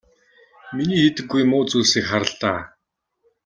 Миний хийдэггүй муу зүйлсийг хар л даа.